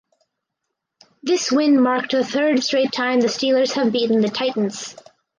This win marked the third straight time the Steelers have beaten the Titans.